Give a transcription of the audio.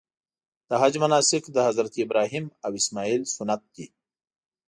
د حج مناسک د حضرت ابراهیم او اسماعیل سنت دي.